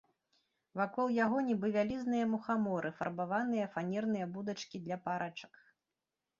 Вакол яго, нібы вялізныя мухаморы, фарбаваныя фанерныя будачкі для парачак.